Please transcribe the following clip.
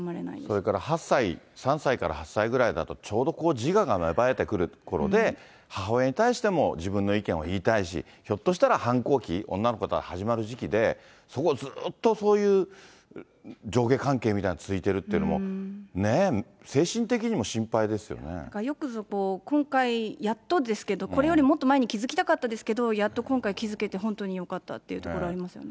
それから８歳、３歳から８歳ぐらいだと、ちょうど自我が芽生えてくるころで、母親に対しても自分の意見を言いたいし、ひょっとしたら反抗期、女の子だったら始まる時期で、そこをずっと、そういう上下関係みたいなのが続いてるっていうのも、ねえ、よくぞこう、今回、やっとですけど、これよりもっと前に気付きたかったですけど、やっと今回、気付けて本当によかったっていうところありますよね。